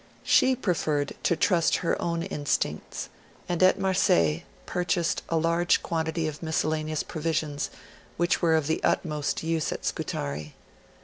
She preferred to trust her own instincts, and at Marseilles purchased a large quantity of miscellaneous provisions, which were of the utmost use at Scutari.